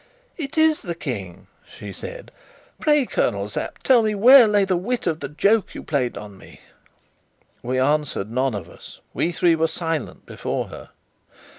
"It is the King!" she said. "Pray, Colonel Sapt, tell me where lay the wit of the joke you played on me?" We answered none of us; we three were silent before her.